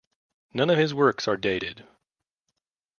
None of his works are dated.